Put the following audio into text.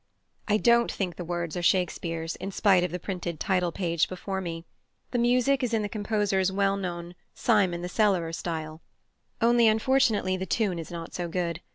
I don't think the words are Shakespeare's, in spite of the printed title page before me. The music is in the composer's well known "Simon the Cellarer" style; only, unfortunately, the tune is not so good.